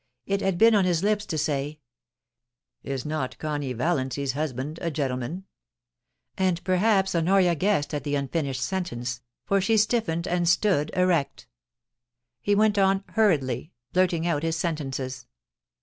It had been on his lips to say, * Is not Connie Valiancy's husband a gentleman ?* And perhaps Honoria guessed at the unfinished sentence, for she stiffened herself, and stood erect He went on hurriedly blurting out his sentences.